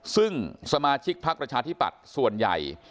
ซึ่งสมาชิกภักรฐิปัตรส่วนใหญ่